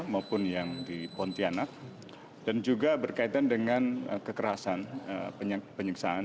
maupun yang di pontianak dan juga berkaitan dengan kekerasan penyiksaan